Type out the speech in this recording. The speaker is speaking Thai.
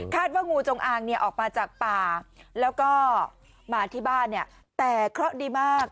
ว่างูจงอางเนี่ยออกมาจากป่าแล้วก็มาที่บ้านเนี่ยแต่เคราะห์ดีมาก